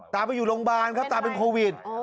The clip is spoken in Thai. ตาไปอยู่โรงพย์้ังอ้าว